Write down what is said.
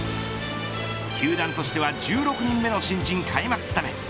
球団としては１６人目の新人開幕スタメン。